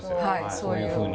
そういうふうに。